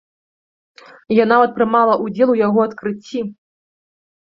Я нават прымала ўдзел у яго адкрыцці.